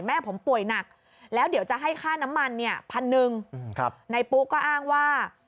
แม่ผมป่วยหนักแล้วเดี๋ยวจะให้ค่าน้ำมันเนี่ยพันหนึ่งนายปุ๊ก็อ้างว่า